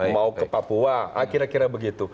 mau ke papua kira kira begitu